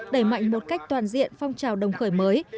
đẩy mạnh một cách toàn diện phong trào đồng khởi mới